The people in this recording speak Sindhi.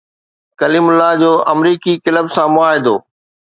ڪليم الله جو آمريڪي ڪلب سان معاهدو